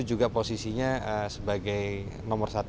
juga posisinya sebagai nomor satu